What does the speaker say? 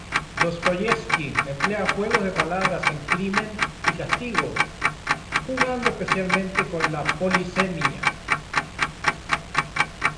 Dostoievski emplea juegos de palabras en "Crimen y castigo", jugando especialmente con la polisemia.